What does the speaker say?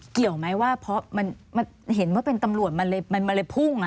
เกี่ยวไหมว่าเห็นว่าเป็นตำรวจมันเลยพุ่ง